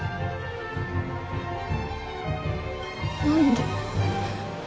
何で？